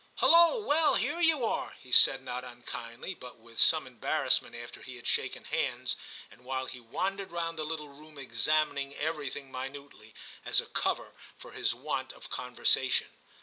* Hulloa, well, here you are,' he said not unkindly, but with some embarrassment, after 90 TIM CHAP. he had shaken hands, and while he wandered round the little room examining everything minutely, as a cover for his want of conver sation.